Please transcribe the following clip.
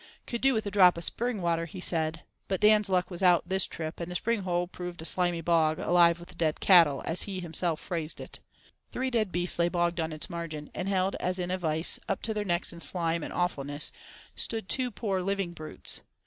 "Could do with a drop of spring water," he said, but Dan's luck was out this trip, and the Spring Hole proved a slimy bog "alive with dead cattle," as he himself phrased it. Three dead beasts lay bogged on its margin, and held as in a vice, up to their necks in slime and awfulness stood two poor living brutes.